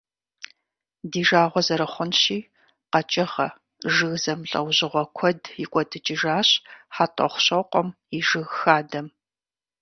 Ди жагъуэ зэрыхъунщи, къэкӀыгъэ, жыг зэмылӀэужьыгъуэ куэд икӀуэдыкӀыжащ ХьэтӀохъущокъуэм и жыг хадэм.